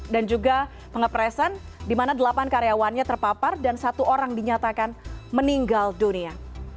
dan juga pengepresan dimana delapan karyawannya terpapar dan satu orang dinyatakan meninggal dunia